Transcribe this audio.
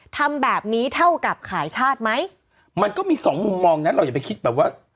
ทำแบบนี้เท่ากับขายชาติไหมมันก็มีสองมุมมองนะเราอย่าไปคิดแบบว่า